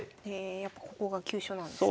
やっぱここが急所なんですね。